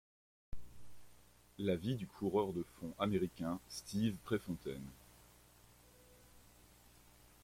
La vie du coureur de fond américain Steve Prefontaine.